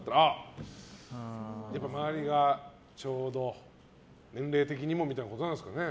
周りがちょうど年齢的にもみたいなことなんですかね。